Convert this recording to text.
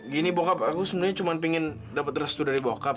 gini bokap aku sebenarnya cuma pengen dapat restu dari bokap